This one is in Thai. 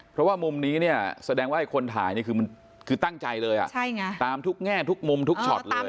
เพราะว่ามุมนี้แสดงว่าคนถ่ายคือตั้งใจเลยตามทุกแง่ทุกมุมทุกช็อตเลย